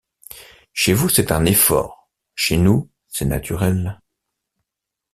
Chez vous, c’est un effort ; chez nous, c’est naturel.